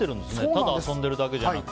ただ遊んでるだけじゃなくて。